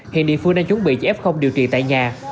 hiện địa phương đang chuẩn bị cho f điều trị tại nhà